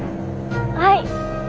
はい。